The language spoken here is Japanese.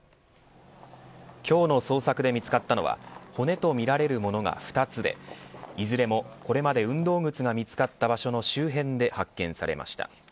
今日の捜索で見つかったのは骨とみられるものが２つでいずれも、これまで運動靴が見つかった場所の周辺で発見されました。